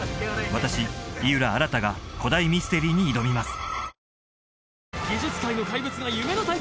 私井浦新が古代ミステリーに挑みます